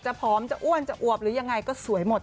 ผอมจะอ้วนจะอวบหรือยังไงก็สวยหมด